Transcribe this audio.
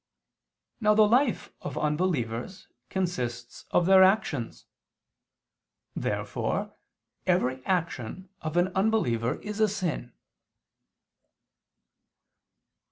Now the life of unbelievers consists of their actions. Therefore every action of an unbeliever is a sin.